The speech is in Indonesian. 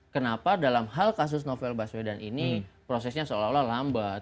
kenapa dalam hal kasus novel baswedan ini prosesnya seolah olah lambat